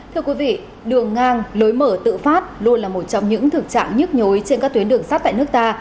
thưa quý vị đường ngang lối mở tự phát luôn là một trong những thực trạng nhức nhối trên các tuyến đường sắt tại nước ta